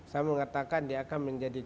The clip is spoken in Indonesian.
saya mengatakan dia akan menjadi